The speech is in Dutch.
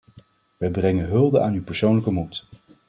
Wij brengen hulde aan uw persoonlijke moed.